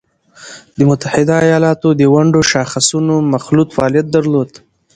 د متحده ایالاتو د ونډو شاخصونو مخلوط فعالیت درلود